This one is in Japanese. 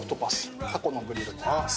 タコのグリルになります。